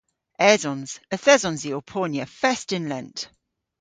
Esons. Yth esons i ow ponya fest yn lent.